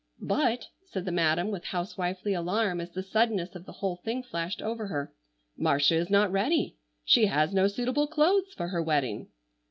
"But," said the Madam, with housewifely alarm, as the suddenness of the whole thing flashed over her, "Marcia is not ready. She has no suitable clothes for her wedding."